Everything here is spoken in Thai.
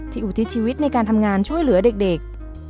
อุทิศชีวิตในการทำงานช่วยเหลือเด็ก